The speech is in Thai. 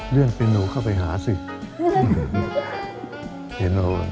เลื่อนเพียโน่เข้าไปหาสิ